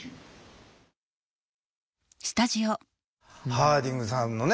ハーディングさんのね